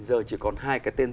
giờ chỉ còn hai cái tên